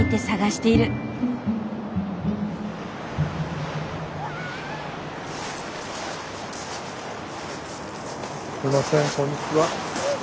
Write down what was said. すみませんこんにちは。